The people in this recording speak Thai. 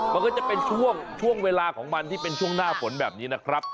มันก็จะเป็นช่วงเวลาของมันที่เป็นช่วงหน้าฝนแบบนี้นะครับ